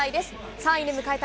３位で迎えた